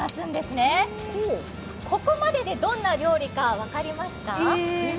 ここまででどんな料理か分かりますか？